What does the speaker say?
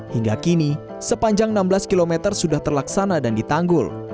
hingga kini sepanjang enam belas km sudah terlaksana dan ditanggul